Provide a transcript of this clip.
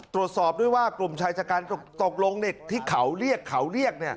ตรวจสอบด้วยว่ากลุ่มใช้จากกันตกลงในที่เขาเรียก